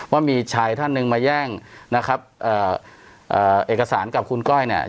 ว่ามีชายท่านหนึ่งมาแย่งนะครับเอ่อเอกสารกับคุณก้อยเนี่ย